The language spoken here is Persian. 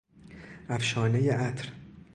افشانهی عطر